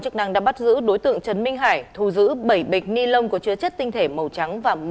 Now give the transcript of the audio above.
chức đã bắt giữ đối tượng trấn minh hải thu giữ bảy bịch ni lông có chứa chất tinh thể màu trắng và một mươi